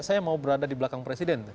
saya mau berada di belakang presiden